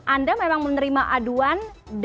anda memang menerima aduan